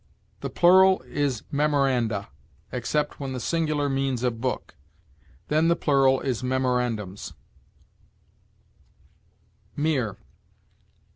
The plural is memoranda, except when the singular means a book; then the plural is memorandums. MERE.